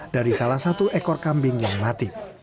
dari salah satu ekor kambing yang mati